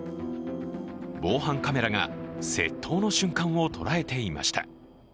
防犯カメラが窃盗の瞬間を捉えていました。